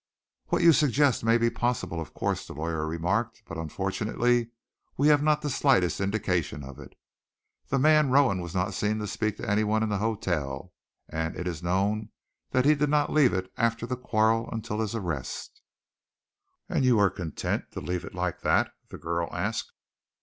"What you suggest may be possible, of course," the lawyer remarked, "but, unfortunately, we have not the slightest indication of it. The man Rowan was not seen to speak to anyone in the hotel, and it is known that he did not leave it after the quarrel until his arrest." "And you are content to leave it like that?" the girl asked.